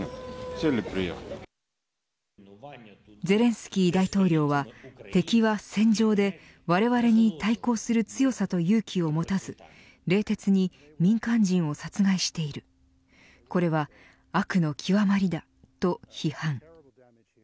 ゼレンスキー大統領は敵は戦場でわれわれに対抗する強さと勇気を持たず冷徹に民間人を殺害しているこれは悪の極まりだ、と批判。